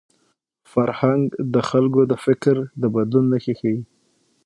فرهنګ د خلکو د فکر د بدلون نښې ښيي.